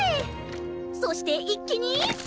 そして一気に！